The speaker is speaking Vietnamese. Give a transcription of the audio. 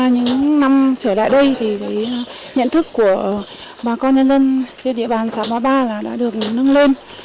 những năm trở lại đây nhận thức của bà con nhân dân trên địa bàn xã mã ba đã được nâng lên